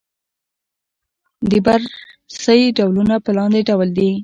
د بررسۍ ډولونه په لاندې ډول دي.